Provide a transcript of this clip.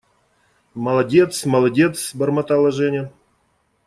Молодец, молодец… – бормотала Женя.